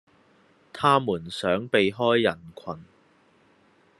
他們想避開人群